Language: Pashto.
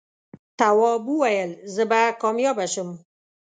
تواب وويل: زه به کامیابه شم.